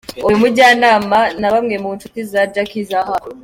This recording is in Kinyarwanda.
Uyu mujyanama na bamwe mu nshuti za Jackie za hafi,.